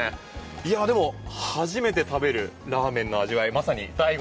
いやでも初めて食べるラーメンの味わい。